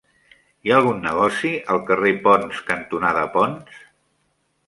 Hi ha algun negoci al carrer Ponts cantonada Ponts?